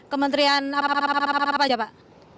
kementerian apa aja pak